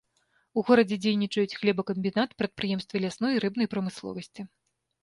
У горадзе дзейнічаюць хлебакамбінат, прадпрыемствы лясной і рыбнай прамысловасці.